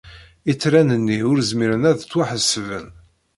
Itran-nni ur zmiren ad ttwaḥesben.